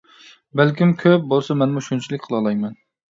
بەلكىم كۆپ بولسا مەنمۇ شۇنچىلىك قىلالايمەن.